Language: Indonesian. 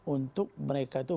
untuk mereka itu